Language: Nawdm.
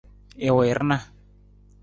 I wii rana.